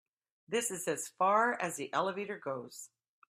This is as far as the elevator goes.